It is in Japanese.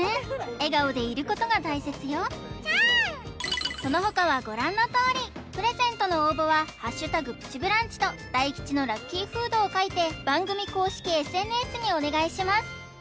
笑顔でいることが大切よその他はご覧のとおりプレゼントの応募は「＃プチブランチ」と大吉のラッキーフードを書いて番組公式ＳＮＳにお願いします